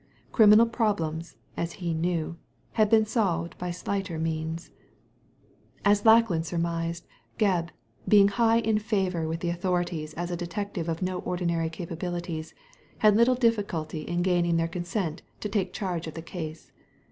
Criminal problems^ as he knew, had been solved by slighter means. Digitized by Google A WOMAN WITHOUT A PAST 27 As Lackland surmised, Gebb, being high in favour with the authorities as a detective of no ordinary capabilities, had little difficulty in gaining their consent to taking charge of Ihe case.